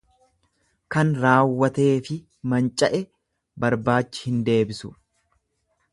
Kan raawwateefi manca'e barbaachi hin deebisu.